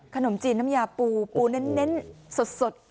ขนมจีนน้ำยาปูปูเน้นสด